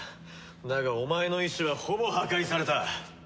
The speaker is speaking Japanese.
だがお前の意思はほぼ破壊された。